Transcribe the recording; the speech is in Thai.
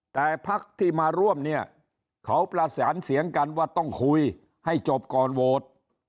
แต่พักที่มาร่วมเนี่ยเขาประสานเสียงกันว่าต้องคุยให้จบก่อนโหวต